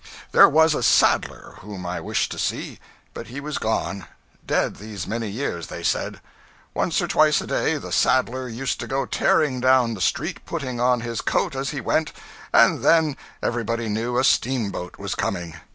There was a saddler whom I wished to see; but he was gone. Dead, these many years, they said. Once or twice a day, the saddler used to go tearing down the street, putting on his coat as he went; and then everybody knew a steamboat was coming.